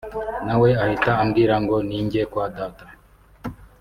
nawe ahita ambwira ngo ninjye kwa Data